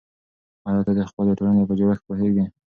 آیا ته د خپلې ټولنې په جوړښت پوهېږې؟